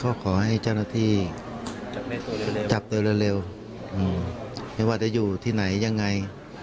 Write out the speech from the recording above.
ก็ขอให้เจ้าหน้าที่จับตัวเร็วไม่ว่าจะอยู่ที่ไหนยังไง